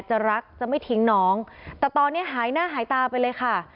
จะรักจะไม่ทิ้งน้องแต่ตอนนี้หายหน้าหายตาไปเลยค่ะ